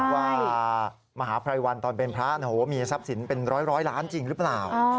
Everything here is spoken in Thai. มหาภัยวันตอนเป็นพระมีทรัพย์สินเป็นร้อยล้านจริงหรือเปล่า